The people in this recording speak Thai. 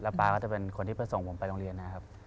ป๊าก็จะเป็นคนที่ไปส่งผมไปโรงเรียนนะครับ